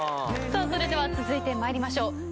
それでは続いてまいりましょう。